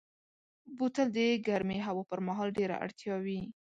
بوتل د ګرمې هوا پر مهال ډېره اړتیا وي.